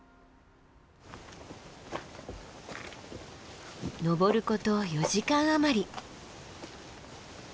登ること４時間余り。